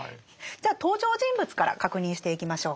じゃあ登場人物から確認していきましょうか。